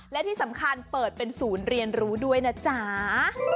และที่สำคัญเปิดเป็นศูนย์เรียนรู้ด้วยนะจ๊ะ